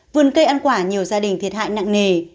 vườn cây ăn quả nhiều gia đình thiệt hại nặng nề